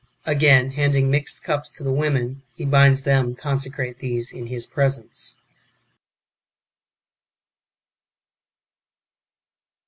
Again, handing mixed cups to the women, he bids them consecrate these in his presence.